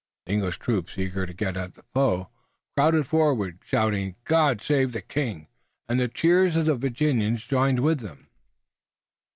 The English troops, eager to get at the foe, crowded forward, shouting "God save the King!" and the cheers of the Virginians joined with them.